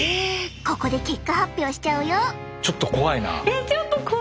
ここで結果発表しちゃうよ！